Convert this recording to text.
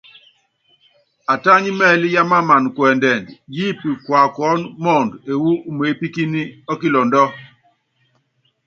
Atányí mɛɛlí yámanána kuɛndɛnd, yíípi kuakuúnɔ́ muundɔ ewú umeépíkínyí kilɔndɔ.